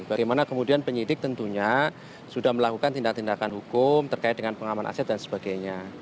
bagaimana kemudian penyidik tentunya sudah melakukan tindakan tindakan hukum terkait dengan pengaman aset dan sebagainya